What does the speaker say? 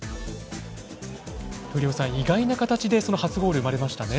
闘莉王さん、意外な形で初ゴール、生まれましたね。